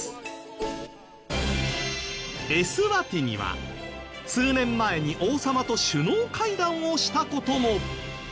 エスワティニは数年前に王様と首脳会談をした事も。